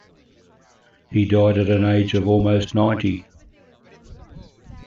He died at an age of almost ninety.